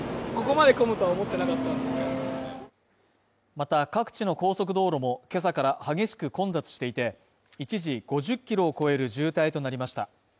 また各地の高速道路も今朝から激しく混雑していて一時５０キロを超える渋滞となりました。